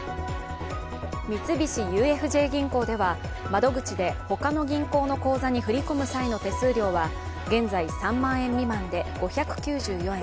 三菱ＵＦＪ銀行では窓口で他の銀行の口座に振り込む際の手数料は現在、３万円未満で５９４円